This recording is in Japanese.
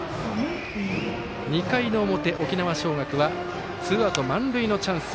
２回の表、沖縄尚学はツーアウト満塁のチャンス。